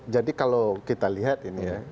jadi kalau kita lihat ini